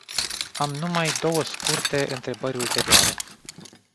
Am numai două scurte întrebări ulterioare.